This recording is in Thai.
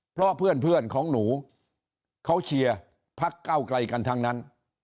เพราะเพื่อนของหนูเขาเชียร์พักเก้าไกลกันทั้งนั้น